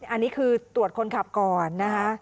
อันนี้คือตรวจคนขับก่อนนะคะ